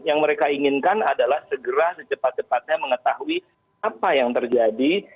yang mereka inginkan adalah segera secepat cepatnya mengetahui apa yang terjadi